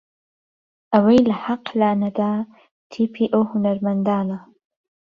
ئەوەی لە حەق لا نەدا تیپی ئەو هونەرمەندانە